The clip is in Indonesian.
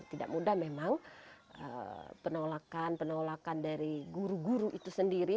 tidak mudah memang penolakan penolakan dari guru guru itu sendiri